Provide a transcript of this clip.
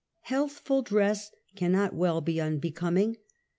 Healthful dress can not w^ell be unbecoming.